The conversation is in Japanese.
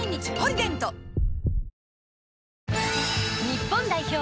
日本代表